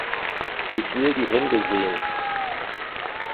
Ich will die Hände sehen!